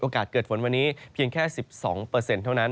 เกิดฝนวันนี้เพียงแค่๑๒เท่านั้น